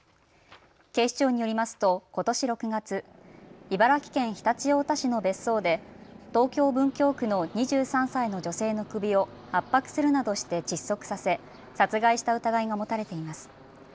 警視庁によりますと、ことし６月、茨城県常陸太田市の別荘で東京文京区の２３歳の女性の首を圧迫するなどして窒息させ殺害した疑いが持たれています。